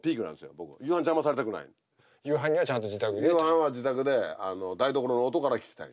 夕飯は自宅であの台所の音から聞きたい。